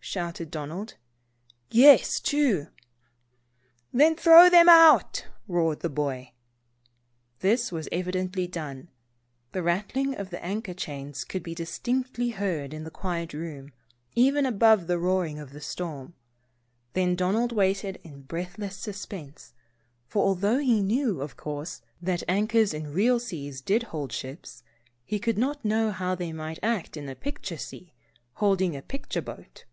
shouted Donald. "Yes, two." "Then, throw them both out," roared the boy. This was evidently done. The rattling of the anchor chains could be distinctly heard in the quiet room, even above the roaring of the storm. Then Donald waited in breathless suspense, for although he knew, of course, that anchors in real seas did hold real ships, he could not know how they might act in a picture sea, and holding a picture boat.